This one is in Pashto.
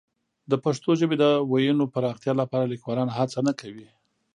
د پښتو ژبې د وییونو پراختیا لپاره لیکوالان هڅه نه کوي.